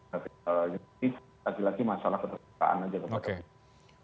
jadi lagi lagi masalah ketertarikan aja